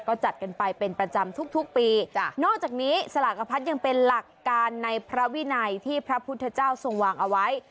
ก็จัดกันไปเป็นประจำทุกปีจ้ะนอกจากนี้สลากพัดยังเป็นหลักการในพระวินัยที่พระพุทธเจ้าทรงวางเอาไว้